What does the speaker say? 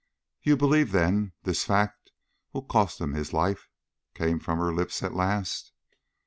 "You believe, then, this fact will cost him his life?" came from her lips at last.